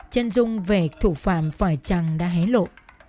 trân dung về thủ phạm phải trăng đã hé lộ